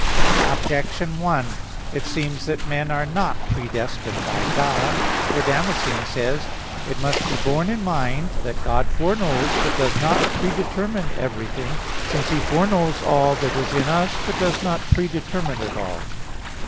Objection 1: It seems that men are not predestined by God, for Damascene says (De Fide Orth. ii, 30): "It must be borne in mind that God foreknows but does not predetermine everything, since He foreknows all that is in us, but does not predetermine it all."